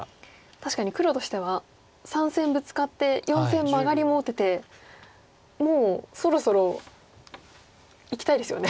確かに黒としては３線ブツカって４線マガリも打ててもうそろそろいきたいですよね。